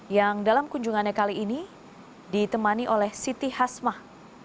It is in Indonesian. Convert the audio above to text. yang dalam kunjungannya kali ini ditemani oleh siti hasmah